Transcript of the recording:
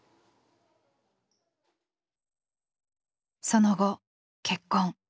その後結婚。